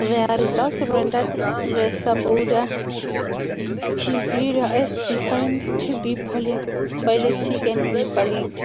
Their results rendered the suborder Sciuravida as defined by to be polyphyletic and invalid.